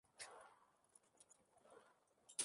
Instruir, por su parte, refiere a adoctrinar o enseñar.